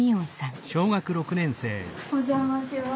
お邪魔します。